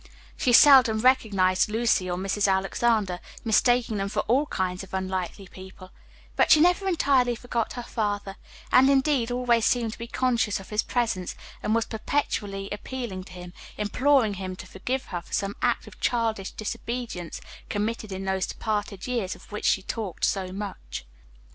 She seldom recognized Lucy or Mrs. Alexander, mistaking them for all kinds of unlikely people; but she never entirely forgot her father, and, indeed, always seemed to be conscious of his presence, and was perpetually appealing to him, imploring him to forgive her for some act of childish disobedience committed in those departed years of which she talked so much.